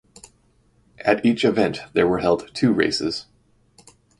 At each event there were held two races.